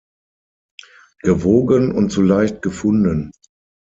Gewogen und zu leicht gefunden.